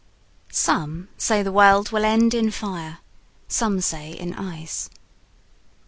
SOME say the world will end in fire, Some say in ice.